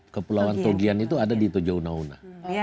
kepulauan tugian itu ada di tojounah unah